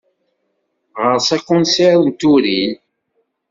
Ɣer-s akunsir n turin.